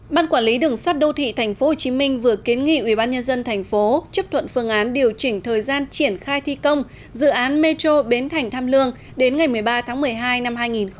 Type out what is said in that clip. ban quản lý đường sắt đô thị tp hcm vừa kiến nghị ubnd tp chấp thuận phương án điều chỉnh thời gian triển khai thi công dự án metro bến thành tham lương đến ngày một mươi ba tháng một mươi hai năm hai nghìn một mươi chín